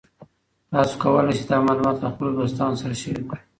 تاسو کولی شئ دا معلومات له خپلو دوستانو سره شریک کړئ.